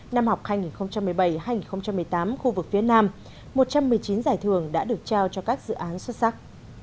năm học hai nghìn một mươi bảy hai nghìn một mươi tám khu vực phía nam một trăm một mươi chín giải thưởng đã được trao cho các dự án xuất sắc